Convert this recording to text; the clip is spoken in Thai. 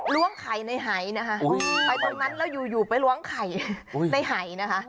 ล้วงไข่ในหายนะคะไปตรงนั้นแล้วอยู่ไปล้วงไข่ในหายนะคะ